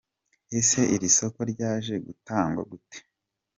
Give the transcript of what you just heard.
Ese iri soko ryaje gutangwa gute ?